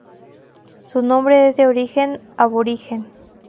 Su nombre es de origen aborigen.